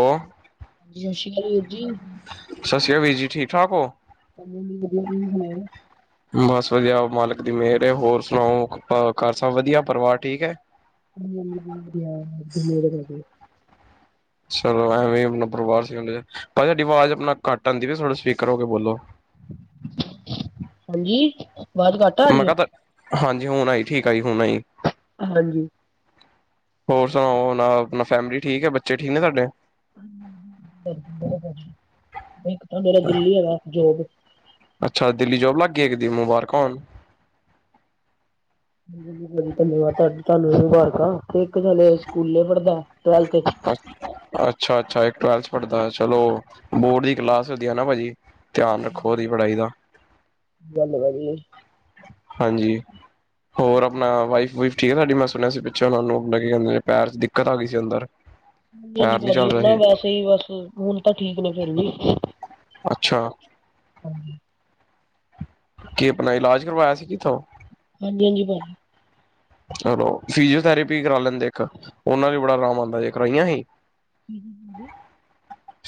ਹੋ। ਹਾਂਜੀ ਸਤਿ ਸ਼੍ਰੀ ਅਕਾਲ ਵੀਰ ਜੀ। ਸਤਿ ਸ੍ਰੀ ਅਕਾਲ ਵੀਰ ਜੀ ਠੀਕ ਠਾਕ ਹੋ। ਹਾਂਜੀ ਵਧੀਆ ਤੁਸੀਂ ਸੁਣਾਓ। ਬਸ ਵਧੀਆ ਮਾਲਕ ਦੀ ਮੇਹਰ ਹੋਰ ਸੁਣਾਓ ਘਰ ਸਬ ਵਧੀਆ ਪਰਿਵਾਰ ਠੀਕ ਹੈ। [inaudible] ਚਲੋ ਐਵੇਂ ਆਪਣਾ ਪਰਿਵਾਰ ਭਾਜੀ ਆਵਾਜ਼ ਆਪਣਾ ਘੱਟ ਆਉਂਦੀ ਥੋੜੇ ਸਪੀਕਰ ਹੋ ਕੇ ਬੋਲੋ। ਹਾਂਜੀ। ਬਹੁਤ ਵਧੀਆ ਮੇਹਰ ਤੁਹਾਡੀ ਹਾਂਜੀ ਆਵਾਜ਼ ਘੱਟ ਆ ਮੈਂ ਰਹੀ ਹੈ ਕਿਹਾ ਤਾਂ ਹਾਂਜੀ ਹੁਣ ਆਈ ਠੀਕ ਆਇ ਹੁਣ ਆਈ। ਹਾਂਜੀ। ਹੋਰ ਸੁਣਾਓ ਨਾ ਆਪਣਾ ਫੈਮਿਲੀ ਠੀਕ ਹੈ ਬੱਚੇ ਠੀਕ ਨੇ ਤੁਹਾਡੇ। ਇੱਕ ਤਾਂ ਮੇਰਾ ਦਿਲਲੀ ਹੈਗਾ ਜੋਬ। ਅੱਛਾ ਦਿੱਲੀ ਜੋਬ ਲੱਗ ਗਏ ਇੱਕ ਦਿ ਮੁਬਾਰਕਾਂ ਹੋਣ ਧੰਨਵਾਦ ਤੁਹਾ ਤੁਹਾਨੂੰ ਇਹ ਮੁਬਾਰਕ ਆ ਤੇ ਇੱਕ ਥੇ ਸਕੂਲੇ ਪੜ੍ਹਦਾ। ਟਵੈਲਥ ਚ ਕੁਛ। ਅੱਛਾ ਅੱਛਾ ਇੱਕ ਟਵੈਲਥ ਪੜ੍ਹਦਾ ਚਲੋ ਬੋਰਡ ਦੀ ਕਲਾਸ ਹੁੰਦੀ ਹੈ ਨਾ ਭਾਜੀ। ਧਿਆਨ ਰੱਖੋ ਉਹਦੀ ਪੜ੍ਹਾਈ ਦਾ। ਗੱਲ ਵਧੀਏ। ਹਾਂਜੀ ਹੋਰ ਆਪਣਾ ਵਾਈਫ ਵੁਇਫ ਠੀਕ ਹੈ ਸਾਡੀ ਮੈਂ ਸੁਣਿਆ ਸੀ ਪਿੱਛੇ ਸੁਣਿਆ ਉਹਨਾਂ ਨੂੰ ਕੀ ਕਿੰਦੇ ਪੈਰ ਚ ਦਿੱਕਤ ਆ ਗਈ ਸੀ ਅੰਦਰ। ਹਾਂਜੀ ਹਾਂਜੀ ਪੈਰ ਨੀ ਭਾਜੀ ਚੱਲ ਉਹ ਨਾ ਰਹੇ ਵੈਸੇ ਹੀ ਬਸ ਹੁਣ ਤਾਂ ਠੀਕ ਨੇ ਫਿਰ ਵੀ। ਅੱਛਾ। ਹਾਂਜੀ ਕੀ ਆਪਣਾ ਇਲਾਜ ਕਰਵਾਇਆ ਸੀ ਕਿੱਥੋਂ? ਹਾਂਜੀ ਹਾਂਜੀ ਭਾਜੀ ਚਲੋ ਫਿਜੀਓਥੈਰੇਪੀ ਕਰਾ ਲੈਂਦੇ ਇੱਕ ਉਹਨਾ ਨਾਲ ਬੜਾ ਆਰਾਮ ਆਉਂਦਾ ਜੇ ਕਰਵਾਈਆਂ ਹੀ? ਹਾਂਜੀ ਹਾਂਜੀ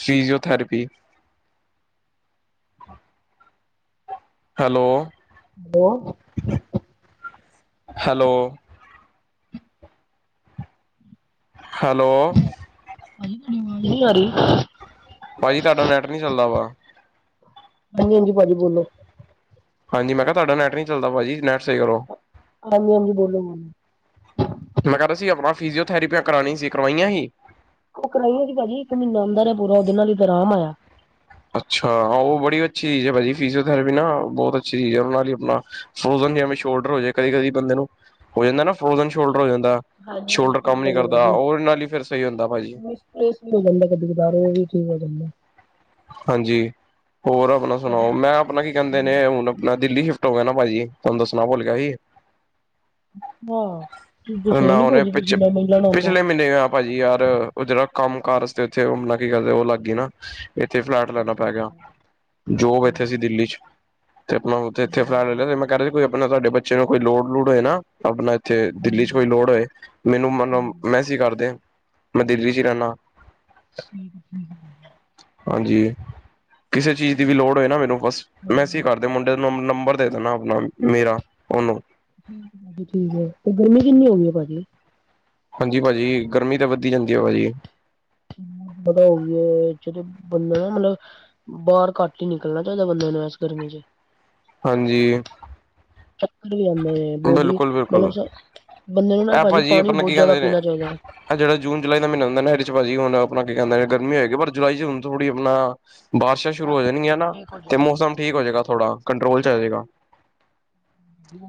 ਸੀਜ਼ਓਥੈਰੇਪੀ ਹੈਲੋ ਬੋਲ ਹੈਲੋ ਹੈਲੋ ਭਾਜੀ ਤੁਹਾਡੀ ਆਵਾਜ਼ ਨਹੀ ਆ ਰਹੀ। ਭਾਜੀ ਤਾਡਾ ਨੈੱਟ ਨੀ ਚੱਲਦਾ ਵਾ। ਹਾਂਜੀ ਹਾਂਜੀ ਭਾਜੀ ਬੋਲੋ ਹਾਂਜੀ ਮੈਂ ਕਿਹਾ ਤੁਹਾਡਾ ਨੈਟ ਨਹੀਂ ਚੱਲਦਾ ਭਾਜੀ ਨੈਟ ਸਹੀ ਕਰੋ। ਹਾਂਜੀ ਹਾਂਜੀ ਬੋਲੋ ਵੀਰ ਜੀ ਮੈਂ ਕਿਹਾ ਤੁਸੀਂ ਆਪਣਾ ਫਿਜੀਓਥੈਰੇਪੀਆਂ ਕਰਵਾਉਣੀ ਸੀ ਕਰਵਾਈਆਂ ਸੀ? ਉਹ ਕਰਾਈਆਂ ਸੀ। ਭਾਜੀ ਇੱਕ ਮਹੀਨਾ ਅੰਦਰ ਆ ਪੂਰਾ ਉਹਦੇ ਨਾਲ ਤੇ ਆਰਾਮ ਆਇਆ। ਅੱਛਾ ਹਾਂ ਉਹ ਬੜੀ ਅੱਛੀ ਚੀਜ਼ ਹੈ। ਭਾਜੀ ਫਿਜ਼ਓਥੈਰੇਪੀ ਨਾ ਬਹੁਤ ਅੱਛੀ ਚੀਜ਼ ਹੈ। ਉਹਦੇ ਨਾਲ ਹੀ ਆਪਣਾ ਫਰੋਜਨ ਸ਼ੋਲਡਰ ਹੋ ਜਾਵੇ ਕਦੇ ਕਦੇ ਬੰਦੇ ਨੂੰ ਹੋ ਜਾਂਦਾ ਨਾ ਫਰੋਜਨ ਸ਼ੋਲਡਰ ਹੋ ਜਾਂਦਾ। ਹਾਂਜੀ ਹਾਂਜੀ। ਸ਼ੋਲਡਰ ਕੰਮ ਨੀ ਕਰਦਾ ਉਹਦੇ ਨਾਲ ਹੀ ਫੇਰ ਸਹੀ ਹੁੰਦਾ ਭਾਜੀ। ਰਿਸਟ ਵੀ ਹੋ ਜਾਂਦਾ ਕਦੀ ਕਦਾਰ ਉਹ ਵੀ ਠੀਕ ਹੋ ਜਾਂਦਾ। ਹਾਂਜੀ ਹੋਰ ਆਪਣਾ ਸੁਣਾਓ! ਮੈਂ ਆਪਣਾ ਕੀ ਕਹਿੰਦੇ ਨੇ ਹੁਣ ਆਪਣਾ ਦਿੱਲੀ ਹੋ ਗਿਆ ਨਾ ਭਾਜੀ ਤੁਹਾਨੂੰ ਦੱਸਣਾ ਭੁੱਲ ਗਿਆ ਸੀ। ਹਾਂ ਤੁਸੀਂ ਦੱਸਿਆ ਨਾ ਨੀ ਉਹਨੇ ਭਾਜੀ ਪਿੱਛ ਤੁਸੀਂ ਮੈਂ ਮਿਲਣ ਆਉਂਦਾ। ਪਿਛਲੇ ਮਹੀਨੇ ਗਿਆ ਭਾਜੀ ਯਾਰ ਉਹ ਜਿਹੜਾ ਕੰਮ ਕਾਰਜ ਤੇ [unintelligible] ਉੱਥੇ ਮਲ ਕੀ ਕਰਦੇ ਉਹ ਲੱਗ ਗਈ ਨਾ। ਇੱਥੇ ਫਲੈਟ ਲੈਣਾ ਅੱਛਾ ਪੈ ਗਿਆ। ਅੱਛਾ। ਜੋਬ ਅੱਛਾ ਇੱਥੇ ਸੀ ਦਿੱਲੀ 'ਚ। ਤੇ ਆਪਣਾ ਉਥੇ ਇੱਥੇ ਫਲੈਟ ਲੈ ਲਿਆ ਤੇ ਮੈਂ ਕਹਿ ਰਿਹਾ ਕੋਈ ਆਪਣਾ ਤੁਹਾਡੇ ਬੱਚੇ ਨੂੰ ਕੋਈ ਲੋੜ ਲੂੜ ਹੋਏ ਨਾ ਆਪਣਾ ਇੱਥੇ ਦਿੱਲੀ 'ਚ ਕੋਈ ਹਾਂਜੀ ਲੋੜ ਹੋਏ ਮੈਨੂੰ ਮਨੋ ਹਾਂਜੀ ਮੈਸੇਜ ਕਰਦੇ ਮੈਂ ਦਿੱਲੀ 'ਚ ਹੀ ਰਹਿੰਨਾ। ਹਮ ਹਮ ਹਾਂਜੀ ਕਿਸੇ ਚੀਜ਼ ਦੀ ਵੀ ਲੋੜ ਹੋਏ ਨਾ ਮੈਨੂੰ ਬਸ ਠੀਕ ਮੈਸੇਜ ਕਰ ਤੇ ਮੁੰਡੇ ਨੂੰ ਨੰ ਨੰਬਰ ਦੇ ਦੇਣਾ ਆਪਣਾ ਮੇਰਾ ਉਹਨੂੰ ਠੀਕ ਹੈ ਜੀ ਠੀਕ ਹੈ ਤੇ ਗਰਮੀ ਕਿੰਨੀ ਹੋ ਗਈ ਏ ਭਾਜੀ? ਹਾਂਜੀ ਭਾਜੀ ਗਰਮੀ ਤੇ ਵੱਧਦੀ ਜਾਂਦੀ ਹੈ ਭਾਜੀ। ਬਤਓ ਜਦੋਂ ਬੰਦਾ ਨਾ ਮਤਲਬ ਬਾਹਰ ਘੱਟ ਹੀ ਨਿਕਲਣਾ ਚਾਹੀਦਾ ਬੰਦੇ ਨੂੰ ਇਸ ਗਰਮੀ 'ਚ। ਹਾਂਜੀ ਚੱਕਰ ਵੀ ਆਉਂਦੇ ਨੇ ਬੋਡੀ ਬਿਲਕੁਲ ਬਿਲਕੁਲ ਮਤਲਬ ਬੰਦੇ ਨੂੰ ਨਾ ਭਾਜੀ ਪਾਣੀ ਬਹੁਤ ਜ਼ਿਆਦਾ ਪੀਣਾ ਚਾਹੀਦਾ ਹੈ। ਹੈ ਜਿਹੜਾ ਜੂਨ ਜੁਲਾਈ ਦਾ ਮਹੀਨਾ ਹੁੰਦਾ ਐਦੇ 'ਚ ਭਾਜੀ ਹੁਣ ਆਪਣਾ ਕੀ ਕਹਿੰਦਾ ਗਰਮੀ ਹੋਗੀ ਪਰ ਜਲਾਈ ਹੁਣ ਥੋੜੀ ਆਪਣਾ ਬਾਰਿਸ਼ਾਂ ਸ਼ੁਰੂ ਹੋ ਜਾਣਗੀਆਂ ਨਾ ਠੀਕ ਹੋ ਤੇ ਜਾਏ ਮੌਸਮ ਠੀਕ ਹੋ ਜਾਏਗਾ, ਥੋੜ੍ਹਾ ਕੰਟਰੋਲ 'ਚ ਆ ਜਾਏਗਾ। ਵਧੀਆ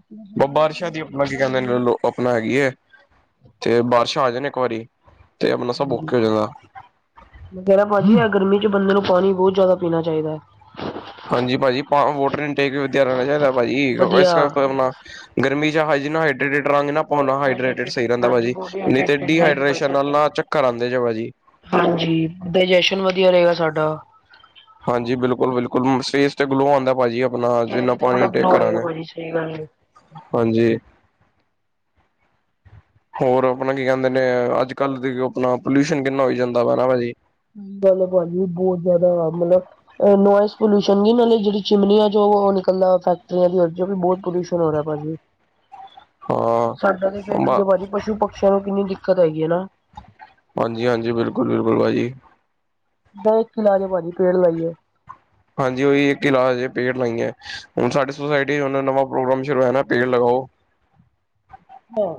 ਬਾਰਿਸ਼ਾਂ ਦੀ ਆਪਣਾ ਕੀ ਕਹਿੰਦੇ ਲੋ ਆਪਣਾ ਹੈਗੀ ਏ ਤੇ ਬਾਰਿਸ਼ਾਂ ਆ ਜਾਣ ਇੱਕ ਵਾਰੀ। ਤੇ ਆਪਣਾ ਸਭ ਔਕੇੇ ਹੋ ਜਏਗਾ। ਮੈਂ ਕਹਿ ਰਿਹਾ ਭਾਜੀ ਆ ਗਰਮੀ 'ਚ ਬੰਦੇ ਨੂੰ ਪਾਣੀ ਬਹੁਤ ਜ਼ਿਆਦਾ ਪੀਣਾ ਚਾਹੀਦਾ। ਹਾਂਜੀ ਭਾਜੀ ਵੋਟਰ ਇਨ ਟੇਕ ਵਿਦਿਆਰ ਨਾਲ ਚਾਹੀਦਾ ਭਾਜੀ ਵਧੀਆ ਇਸ ਕਰਕੇ ਆਪਣਾ ਗਰਮੀ 'ਚ ਹਜੇ ਹਾਈਡਰੇਟ ਰੰਗ ਨਾ ਭਣਾ ਹਡਰੇਟਡ ਹਾਈਡਰੇਟਿਡ ਸਹੀ ਰਹਿੰਦਾ ਵਾ ਹਾਂਜੀ ਜੀ, ਬੋਡੀ ਨਹੀਂ ਤੇ ਹਾਈਡਰੇਟਿਡ ਰਹੇਗੀ ਭਾਜੀ ਡੀਹਾਈਡਰੇੇਸ਼ਨ ਨਾਲ ਸਾਡੀ। ਨਾ ਚੱਕਰ ਆਉਂਦੇ ਜ ਵਾ ਜੀ। ਹਾਂਜੀ, ਡਾਇਜੈਸ਼ਨ ਵਧੀਆ ਰਹੇਗਾ ਸਾਡਾ। ਹਾਂਜੀ ਬਿਲਕੁਲ, ਬਿਲਕੁਲ, ਫੇਸ ਤੇ ਗਲੋ ਆਂਦਾ ਭਾਜੀ। ਆਪਣਾ ਜਿੰਨਾ ਚਿਹਰੇ ਤੇ ਬੜਾ ਪਾਣੀ ਟੇਕ ਗਲੋ ਆਏਗਾ ਕਰਾਂਗੇ, ਭਾਜੀ ਸਹੀ ਗੱਲ ਏ। ਹਾਂਜੀ। ਹੋਰ ਆਪਣਾ ਕੀ ਕਹਿੰਦੇ ਨੇ, ਅੱਜ ਕੱਲ੍ਹ ਦੇਖ ਆਪਣਾ ਪੋਲਿਊਸ਼ਨ ਕਿੰਨਾ ਹੋ ਜਾਂਦਾ ਵਾ ਭਾ ਜੀ। ਸਹੀ ਗੱਲ ਭਾਜੀ, ਵੀ ਬਹੁਤ ਜ਼ਿਆਦਾ ਵ ਮਤਲਬ ਨੋਇਜ਼ ਪੋਲਿਊਸ਼ਨ, ਨਾਲੇ ਜਿਹੜੀ ਚਿਮਨੀ ਆ ਜੋ ਉਹ ਨਿਕਲਦਾ ਫੈਕਟਰੀਆਂ ਦੀਰ ਬਹੁਤ ਪੋਲ ਹੋ ਰਿਹਾ, ਭਾਜੀ। ਹਾਂ ਸਾਡਾ ਤੇ ਫੇਰ ਠੀਕ ਹੈ ਭਾਜੀ, ਪਸ਼ੂ ਪਕਸ਼ੀਆਂ ਨੂੰ ਕਿੰਨੀ ਦਿੱਕਤ ਹੈਗੀ ਹੈ ਨਾ। ਹਾਂਜੀ ਹਾਂਜੀ, ਬਿਲਕੁਲ ਬਿਲਕੁਲ, ਭਾਅ ਜੀ। ਦ ਇੱਕ ਇ ਲਾਜੇ, ਭਾਜੀ ਪੇੜ ਲਾਈਏ। ਹਾਂਜੀ ਉਹੀ ਇੱਕ ਕਿਲਾ ਹਜੇ ਪੇੜ ਲਾਈ ਹੈ, ਹੁਣ ਸਾਡੀ ਸੁੋਸਾਇਟੀ 'ਚ ਨਵਾਂ ਪ੍ਰੋਗਰਾਮ ਸ਼ੁਰੂ ਹੋਆ ਨਾ ਪੇੜ ਲਗਾਓ ਹਹ।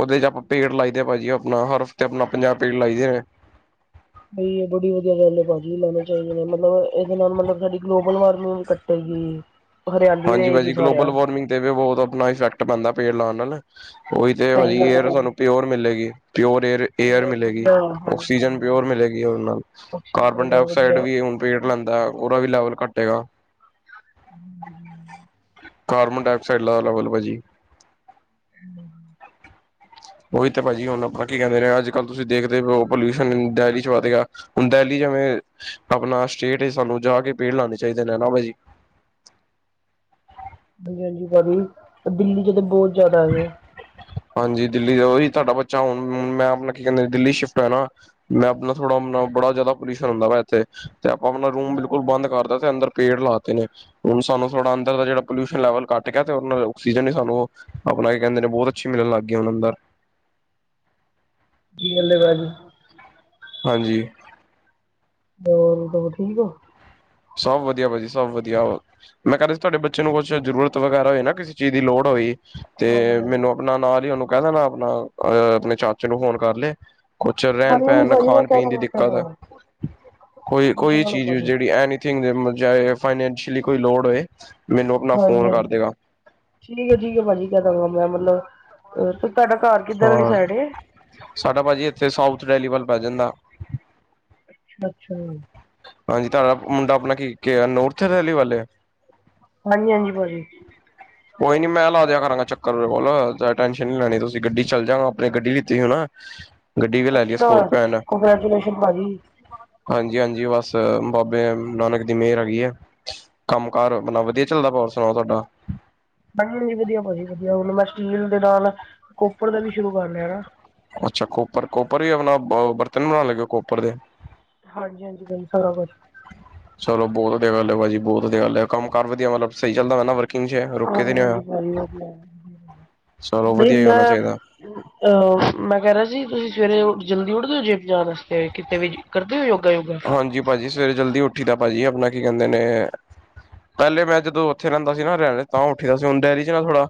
ਉਹਦੇ 'ਚ ਆਪਾਂ ਪੇੜ ਲਾਈਦੇ ਭਾਜੀ, ਆਪਣਾ ਹਰ ਹਫ਼ਤੇ, ਆਪਣਾ ਪੰਜਾਹ ਪੇੜ ਲਾਈਦੇ ਨੇ। ਬਈ ਇਹ ਬੜੀ ਵਧੀਆ ਰਲੇਬਾਜ਼ੀ, ਵੀ ਲੈਣੇ ਚਾਹੀਦੇ ਨੇ ਮਤਲਬ ਇਹਦੇ ਨਾਲ ਮਤਲਬ ਸਾਡੀ, ਗਲੋਬਲ ਵਾਰਮਿੰਗ ਕੱਟੇਗੀ। ਹਰਿਆਲੀ ਹਾਂਜੀ ਦੇਗੀ ਭਾਜੀ ਗਲੋਬਲ ਸਾਰਿਆ ਵਾਰਮਿੰਗ ਤੇ ਵੀ ਬਹੁਤ ਆਪਣਾ ਇਫੈਕਟ ਪੈਂਦਾ ਪੇੜ ਲਾਉਣ ਨਾਲ, ਉਹੀ ਤੇ ਸਹੀ ਹਜੀ ਗੱਲ ਹੈ ਯਾਰ ਭਾਜੀ। ਸਾਨੂੰ ਪਿਓਰ ਮਿਲੇਗੀ, ਪਿਓਰ ਏਅਰ ਏਅਰ ਮਿਲੇਗੀ, ਵਧੀਆ ਹਾਂਜੀ ਆਕਸੀਜਨ ਪਿਓਰ ਹਾਂਜੀ ਮਿਲੇਗੀ ਉਹਦੇ ਨਾਲ, ਕਾਰਬਨ ਆਕਸੀਜਨ ਡਾਇਆਕਸਾਈਡ ਵਧੀਆ ਵੀ ਹੁਣ ਪੇੜ ਲੈਂਦਾ ਉਹਦਾ ਵੀ ਲੈਵਲ ਘੱਟੇਗਾ। ਹਮ। ਕਾਰਬਨ ਡਾਇਆਕਸਾਈਡ ਲ ਲਵਲ ਭਾਜੀ ਹ- ਉਹੀ ਤਾਂ ਭਾਅਜੀ, ਹੁਣ ਆਪਾਂ ਕੀ ਕਿੰਦੇਹੇ ਅੱਜ ਕੱਲ ਤੁਸੀਂਖਦੇ ਹੋ ਪੋਲਿਊਸ਼ਨਨ ਡਹਿਲੀ ਚਚੱਧਗਾ ਹੁਣ ਦਹਿਲੀ ਜਿਵੇਂ ਆਪਣਾ ਸਟੇਟ ਹੈ, ਸਾਨੂੰ ਜਾ ਕੇ ਪੇੜ ਲਾਉਣੇ ਚਾਹੀਦੇ ਨੇ ਨਾ ਭਾ ਜੀ। ਹਾਂਜੀ ਹਾਂਜੀ ਭਾਜੀ, ਦਿੱਲੀ 'ਚ ਤਾਂ ਬਹੁਤ ਜਿਆਦਾ ਹੈਗੇ ਆ। ਹਾਂਜੀ ਦਿੱਲੀ ਦਾ ਉਹੀ ਤੁਹਾਡਾ ਬੱਚਾ, ਹੁਣ ਮੈਂ ਆਪਣਾ ਕੀ ਕਹਿੰਦੇ ਦਿੱਲੀ ਸ਼ਿਫਟ ਹੋਇਆ ਨਾ ਮੈਂ ਆਪਣਾ ਥੋੜ੍ਹਾ ਆਪਣਾ ਬੜਾ ਜ਼ਿਆਦਾ ਪੋਲਿਊਸ਼ਨ ਹੁੰਦਾ ਵਾ ਇੱਥੇ, ਤੇ ਆਪਣਾ ਰੂਮ ਬਿਲਕੁਲ ਬੰਦ ਕਰਦਾ ਤੇ ਅੰਦਰ ਪੇੜ ਲਾਤੇ ਨੇ ਹੁਣ ਸਾਨੂੰ ਥੋੜਾੰਦਰ ਦਾ ਜਿਹੜਾ ਪੋਲਿਊਸ਼ਨ ਲੈਵਲੱਟ, ਤੇ ਉਹਦੇ ਨਾਲ ਆਕਸੀਜਨ ਹੀ ਸਾਨੂੰ ਉਹ ਆਪਣਾ ਕੀ ਕਹਿੰਦੇ ਨੇ ਬਹੁਤ ਅਛ ਮਿਲਣ ਲਗ ਗਏ, ਹੁਨ ਅੰਦਰ। ਸਹੀ ਗੱਲ ਹੈ, ਬਾਾਜੀੀ। ਹਾਂਜੀ। ਹੋਰ ਤ ਠੀਕ ਆ? ਸਭ ਵਧੀਆ ਭਾਜੀੀ, ਸਭ ਵਧੀਆ ਵਾ। ਮੈਂ ਕਦੀ ਸੀ ਤੁਹਾਡੇ ਬੱਚੇ ਨੂੰ ਕੁਛ ਜ਼ਰੂਰਤ ਵਗੈਰਾ ਹੋਈ ਨਾ, ਕਿਸੇ ਚੀਜ਼ ਦੀ ਲੋੜ ਹੋਈ ਹਾਂਜੀ ਤੇ ਹਾਂਜੀ ਮੈਨੂੰ ਆਪਣਾ ਨਾਲ ਹੀ ਉਹਨੂੰ ਕਹਿ ਦੇਣਾ, ਆਪਣਾ ਅਹ ਆਪਣੇ ਚਾਚੇ ਨੂੰ ਫੋਨ ਕਰ ਲਏ ਕੁਛ ਰਹਿਣ ਹਾਂਜੀ ਹਾਂਜੀ ਪਹਿਣ, ਭਾਜੀ ਮੈਂ ਖਾਣ ਕਹਿ ਪੀਣ ਦੀ ਦੇਣਾ ਕਹਿ ਦਿੱਕਤ ਹੈ, ਦੇਣਾ ਕੋਈ- ਟੈਨਸ਼ਨ ਕੋਈ ਨਾ ਲਓ ਚੀਜ਼, ਭਾਜੀ ਜਿਹੜੀ ਇਹ ਨੀ ਫਾਈਨੈਂਸ਼ੀਅਲੀ ਕੋਈ ਲੋੜ ਹੋਏ, ਮੈਨੂੰ ਆਪਣਾ ਹਾਂਜੀ ਫੋਨ ਕਰ ਹਾਂਜੀ। ਦੇਗਾ। ਠੀਕ ਹੈ, ਠੀਕ ਹੈ ਭਾਜੀ, ਕਹਿ ਦਵਗਾ ਮੈਂ ਮਤਲਬ, ਤੁਹਾਡਾ ਘਰ ਕਿੱਧਰ ਵਾਲੀ ਹਾਂ ਸਾਈਡ ਏ? ਸਾਡਾ ਭਾਅਜੀ ਇੱਥੇ, ਸਾਊਥ ਡੈਲੀ ਵੱਲ ਪੈ ਜਾਂਦਾ। ਅੱਛਾ। ਹਾਂਜੀ, ਤੁਹਾਡਾ ਮੁੰਡਾ ਆਪਣਾ ਕੀ ਆ ਨੋਰਥ ਰੈਲੀ ਵਾਲੇ ਵਲ ਵੇ? ਹਾਂਜੀ ਹਾਂਜੀ, ਭਾ ਜਜੀ। ਕੋਈ ਨੀ ਮੈਂ ਲਾ ਦਯਾ ਕਰਾਂਗਾ ਚੱਕਰ ਓਹਦੇ ਕੋਲ ਜਾਦਾ ਟੈਨਸ਼ਨ ਨੀ ਲੈਣੀ ਤੁਸੀਂ ਗੱਡੀ ਚ ਚੱਲ ਜਾਂਗਾ ਆਪਣੀ ਗੱਡੀ ਲਿੱਤੀ ਸੀ ਨਾ। ਗੱਡੀ ਵੀ ਲੈ ਲਈ ਅਛਾ, ਸਕੋਰਪੀਓ ਕੰਗ੍ਰੈਚੂਲੇਸ਼ਨ ਪਾ ਜੀ। ਹਾਂਜੀ-ਹਾਂਜੀ ਬਸ ਬਾਬੇ ਨਾਨਕ ਦੀ ਮੇਹਰ ਹੈਗੀ ਹੈ। ਕੰਮ ਕਾਰ ਆਪਣਾ ਵਧੀਆ ਚੱਲਦਾ ਪਿਆ ਹੋਰ ਸੁਣਾਓ ਤੁਵਾਡਾ? ਹਾਂਜੀ-ਹਾਂਜੀ ਵਧੀਆ ਪਾ ਜੀ ਵਧੀਆ ਹੁਣ ਮੈਂ ਸਟੀਲ ਦੇ ਨਾਲ ਕੋਪਰ ਦਾ ਵੀ ਸ਼ੁਰੂ ਕਰ ਲਿਆ ਨਾ। ਅੱਛਾ ਕੋਪਰ, ਕੋਪਰ ਵੀ ਆਪਣਾ ਬਰਤਨ ਬਣਾਣ ਲੱਗੇ ਔ ਕੋਪਰ ਦੇ। ਹਾਂਜੀ-ਹਾਂਜੀ ਬਾਈ ਸਾਰਾ ਕੁਛ। ਚਲੋ ਬਹੁਤ ਵਧੀਆ ਗੱਲ ਹੈ ਭਾਜੀ ਬਹੁਤ ਗੱਲ ਹੈ ਕੰਮ ਕਰ ਵਧੀਆ ਮਤਲਬ ਸਹੀ ਚਲਦਾ ਪਿਆ ਨਾ ਕਿੰਝ ਹੈ ਰੁਕਿਆ ਤੇ ਹਾਂਜੀ ਨੀ ਹਾਂਜੀ ਹੋਯਾ ਭਾਜੀ ਵਧੀਆ। ਚਲੋ ਨਹੀਂ ਵਧੀਆ ਈ ਹੋਣਾ ਮੈਂ ਚਾਹੀਦਾ। ਅਹ ਮੈਂ ਕਹਿ ਰਿਹਾ ਸੀ ਤੁਸੀਂ ਸਵੇਰੇ ਜਲਦੀ ਉੱਠਦੇ ਔ ਜਿਮ ਜਾਣ ਆਸਤੇ ਕਿਤੇ ਵੀ ਕਰਦੇ ਔ ਯੋਗਾ ਯੁੱਗਾ? ਹਾਂਜੀ ਭਾਜੀ ਸਵੇਰੇ ਜਲਦੀ ਉੱਠੀ ਦਾ ਭਾਜੀ ਆਪਣਾ ਕੀ ਕਹਿੰਦੇ ਨੇ ਪਹਿਲੇ ਮੈਂ ਜਦੋਂ ਉੱਥੇ ਰਹਿੰਦਾ ਸੀ ਨਾ ਹਰੁਯਾਨੇ ਤਾਂ ਉੱਠੀ ਦਾ ਸੀ ਹੁਣ ਡੇਰੀ ਚ ਨਾ ਥੋੜਾ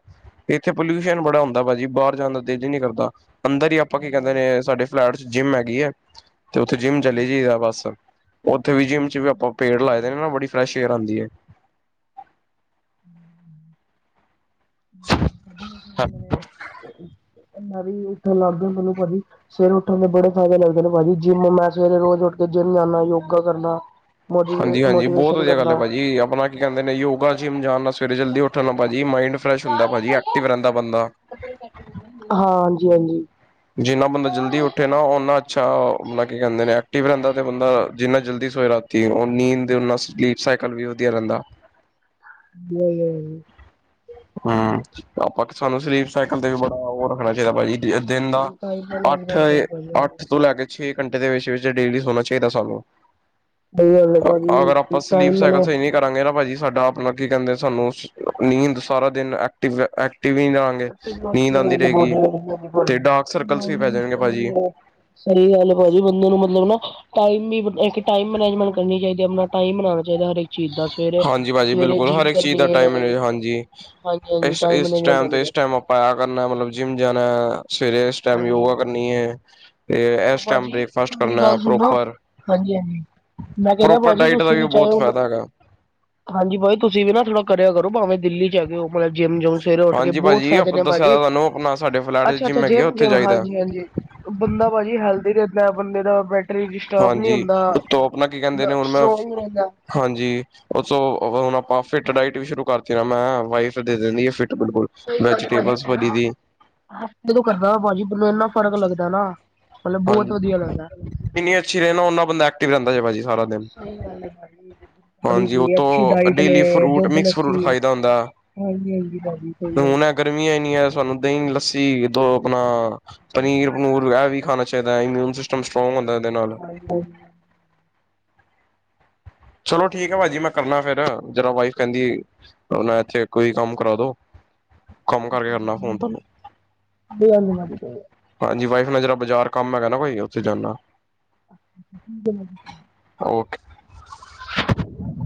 ਇੱਥੇ ਪੋਲਿਊਸ਼ਨ ਬੜਾ ਹੁੰਦਾ ਭਾਜੀ ਬਾਹਰ ਜਾਣ ਦਾ ਦਿਲ ਈ ਨੀ ਕਰਦਾ ਅੰਦਰ ਹੀ ਆਪਾਂ ਕੀ ਕਹਿੰਦੇ ਨੇ ਸਾਡੇ ਫਲੈਟ ਚ ਜਿੰਮ ਹੈਗੀ ਹੈ ਤੇ ਉੱਥੇ ਜਿੰਮ ਚਲੀ ਜਾਈਦਾ ਬਸ। ਉੱਥੇ ਵੀ ਜਿੰਮ ਚ ਵੀ ਆਪਾਂ ਪੇੜ ਲਾਏ ਦੇ ਨਾ ਬੜੀ ਫਰੈਸ਼ ਏਅਰ ਆਂਦੀ ਏ। [unintelligible] ਮੈਨੇ [unintelligible] ਸਵੇਰੇ ਉੱਠਣ ਦੇ ਬੜੇ ਫਾਇਦੇ ਲੱਗਦੇ ਨੇ ਭਾਜੀ ਜਿੰਮ ਮੈਂ ਸਵੇਰੇ ਰੋਜ਼ ਉੱਠ ਕੇ ਜਿੰਮ ਜਾਂਨਾ ਯੋਗਾ ਕਰਨਾ। ਮੋਟੀ ਹਾਂਜੀ-ਹਾਂਜੀ ਬਹੁਤ ਮੋਟੀਵੇਸ਼ਨ ਵਧੀਆ ਗੱਲ ਹੈ ਕਰਨਾ ਭਾਜੀ ਆਪਣਾ ਕੀ ਕਹਿੰਦੇ ਨੇ ਯੋਗਾ ਜਿਮ ਜਾਣ ਨਾਲ ਸਵੇਰੇ ਜਲਦੀ ਉਠਨ ਨਾਲ ਭਾਜੀ ਮਾਈੰਡ ਫਰੈਸ਼ ਹੁੰਦਾ ਭਾਜੀ ਐਕਟਿਵ ਰਹਿੰਦਾ ਬੰਦਾ। ਹਾਂ, ਹਾਂਜੀ-ਹਾਂਜੀ। ਜਿੰਨਾ ਬੰਦਾ ਜਲਦੀ ਉੱਠੇ ਨਾ ਉਹਨਾਂ ਅੱਛਾ ਆਪਣਾ ਕੀ ਕਹਿੰਦੇ ਨੇ ਐਕਟਿਵ ਰਹਿੰਦਾ ਤੇ ਬੰਦਾ ਜਿੰਨਾ ਜਲਦੀ ਸੋਏ ਰਾਤ ਰਾਤੀ ਉਹ ਨੀਂਦ ਤੇ ਓਦੇ ਨਾਲ ਸਲੀਪ ਸਾਈਕਲ ਵੀ ਵਧੀਆ ਰਹਿੰਦਾ। [unintelligible] ਹੂੰ ਆਪਾਂ ਸਾਨੂੰ ਸਲੀਪ ਸਾਈਕਲ ਤੇ ਵੀ ਬੜਾ ਉਹ ਰੱਖਣਾ ਚਾਹੀਦਾ ਭਾਜੀ। ਯਾ ਦਿਨ ਦਾ ਟਾਈਮ ਮੈਨੇਜਮੈਂਟ ਕਰੀ ਭਾਜੀ ਅੱਠ-ਅੱਠ ਸਹੀ ਤੋਂ ਲੈ ਕੇ ਛੇ ਘੰਟੇ ਦੇ ਵਿੱਚ-ਵਿੱਚ ਡੇਲੀ ਸੋਨਾ ਚਾਹੀਦਾ ਸਾਨੂੰ। ਗੱਲ ਹੈ ਭਾਜੀ ਅਗਰ ਆਪਾਂ ਸਲੀਪ ਟਾਈਮ ਸਾਈਕਲ ਮੈਨੇ ਸਹੀ ਨਹੀਂ ਕਰਾਂਗੇ ਨਾ ਭਾਜੀ ਸਾਡਾ ਆਪਣਾ ਕੀ ਕਹਿੰਦੇ ਸਾਨੂੰ ਨੀਂਦ ਸਾਰਾ ਦਿਨ ਐਕਟਿਵ ਐਕਟਿਵ ਹੀ ਰ ਤੇ ਡਾਰਕ ਸਰਕਲਸ ਵੀ ਪੈ ਜਾਣਗੇ ਭਾਜੀ। [unintelligible] ਸਹੀ ਗੱਲ ਹੈ ਭਾਜੀ ਬੰਦੇ ਨੂੰ ਮਤਲਬ ਨਾ ਟਾਈਮ ਇੱਕ ਟਾਈਮ ਮੈਨਜਮੈਂਟ ਕਰਨੀ ਚਾਹੀਦੀ ਆ ਆਪਣਾ ਟਾਈਮ ਬਣਾਣਾ ਚਾਹੀਦਾ ਹਰ ਏਕ। ਹਾਂਜੀ ਭਾਜੀ ਬਿਲਕੁਲ ਹਰ ਏਕ ਚੀਜ਼ ਦਾ ਕਰਨੀ ਹੈ ਟਾਈਮ ਮੈਨੇਜ, ਹਾਂਜੀ। ਹਾਂਜੀ ਹਾਂਜੀ ਇਸ ਇਸ ਮੈਨੇਜਮੈਂਟ ਟਾਈਮ ਹੋਣੀ ਤੇ ਇਸ ਚਾਹੀਦੀ ਟਾਈਮ ਆਪਾਂ ਆਹ ਕਰਨਾ ਮਤਲਬ ਜਿੰਮ ਜਾਣਾ ਸਵੇਰੇ ਇਸ ਟਾਈਮ ਹਾਂਜੀ ਯੋਗਾ ਕਰਨੀ ਏ ਤੇ ਇਸ ਟਾਈਮ ਬ੍ਰੇਕਫਾਸਟ ਕਰਨਾ ਪ੍ਰੋਪਰ। ਹਾਂਜੀ-ਹਾਂਜੀ ਮੈਂ ਕਹਿ ਰਿਹਾ ਪ੍ਰੋਪਰ ਭਾਜੀ ਡਾਇਟ ਦਾ ਤੁਸੀਂ ਵੀ ਚਾਹੇ ਬਹੁਤ ਹੁਨ ਫਾਇਦਾ ਹੈਗਾ ਹਾਂਜੀ ਭਾ ਜੀ ਤੁਸੀਂ ਵੀ ਨਾ ਥੋੜਾ ਕਰਿਆ ਕਰੋ ਭਾਵੇਂ ਦਿੱਲੀ ਚ ਆਗੇ ਔ ਮਤਲਬ ਜਿੰਮ ਜੋਇਨ ਸਵੇਰੇ ਉੱਠ ਕੇ ਹਾਂਜੀ ਬਹੁਤ ਭਾਜੀ ਫਾਇਦੇ ਆਪ ਨੇ ਦੱਸਿਆ ਭਾਜੀ ਤਾਂ ਤੁਹਾਨੂੰ ਆਪਣਾ ਸਾਡੇ ਫਲੈਟ ਚ ਅੱਛਾ ਅੱਛਾ ਜਿੰਮ ਹੈਗੀ ਆ ਜਿਮ ਉੱਥੇ ਜਾਈਦਾ ਹਾਂਜੀ-ਹਾਂਜੀ ਬੰਦਾ ਭਾਜੀ ਹੈਲਦੀ ਰਹਿੰਦਾ ਬੰਦੇ ਦਾ ਬੈ ਤੇ ਡਿਸਟਰਬ ਨਹੀਂ ਹਾਂਜੀ ਹੁੰਦਾ ਉੱਤੋਂ ਆਪਣਾ ਕੀ ਬੰਦਾ ਕਹਿੰਦੇ ਨੇ ਮੱਤਲਬ ਹੁਣ ਮੈਂ ਸਟਰੋਂਗ ਰਹਿੰਦਾ। ਹਾਂਜੀ ਉਤੋਂ ਹੁਣ ਆਪਾਂ ਫਿਟ ਡਾਇਟ ਵੀ ਸ਼ੁਰੂ ਕਰਤੀ ਨਾ ਮੈਂ ਵਾਈਫ ਦੇ ਦਿੰਦੀ ਏ ਫਿਟ ਬਿਲਕੁਲ ਵੈਜੀਟੇਬਲ ਭਰੀ ਦੀ। ਦਿਲੋਂ ਕਰਦਾ ਨਾ ਭਾਜੀ ਮੈਨੂੰ ਇੰਨਾ ਫਰਕ ਲੱਗਦਾ ਨਾ ਮਤਲਬ ਬਹੁਤ ਹਾਂਜੀ ਵਧੀਆ ਲੱਗਦਾ। ਜਿੰਨੀ ਅੱਛੀ ਰਹੇ ਨਾ ਉਨਾਂ ਬੰਦਾ ਐਕਟ ਰਹਿੰਦਾ ਭਾਜੀ ਸਾਰਾ ਦਿਨ। ਬਣੀ ਹਾਂਜੀ ਉਹ ਦੀ ਅੱਛੀ ਤੋਂ diet daily fruit mix fruit ਖਾਈਦਾ ਹੁੰਦਾ। ਹਾਂਜੀ-ਹਾਂਜੀ ਭਾਜੀ ਸਹੀ ਗੱਲ ਏ। ਗਰਮੀ ਏਨੀ ਆਂ ਸਾਨੂੰ ਦਹੀਂ, ਲੱਸੀ ਦੋ ਆਪਣਾ ਪਨੀਰ ਪਨੂਰ ਇਹ ਵੀ ਸ਼ਰਦਾਈ ਇਮਊਨ ਸਿਸਟਮ ਸਟਰੋਂਗ ਹੁੰਦਾ ਉਹਦੇ ਨਾਲ। [unintelligible] ਚਲੋ ਠੀਕ ਹੈ ਭਾਜੀ ਮੈਂ ਕਰਨਾ ਫੇਰ, ਜਰਾ ਵਾਈਫ ਕਹਿੰਦੀ ਉਹ ਇੱਥੇ ਕੋਈ ਕੰਮ ਕਰਾ ਦੋ। ਕੰਮ ਕਰਕੇ ਕਰਨਾ ਫੋਨ ਤੁਹਾਨੂੰ। ਹਾਂਜੀ ਹਾਂਜੀ ਵਾਈਫ ਨਾਲ ਜਿਹੜਾ ਬਾਜ਼ਾਰ ਕੰਮ ਹੈਗਾ ਨਾ ਕੋਈ ਉੱਥੇ ਜਾਂਨਾ। [unintelligible] ਓਕੇ। [unintelligible]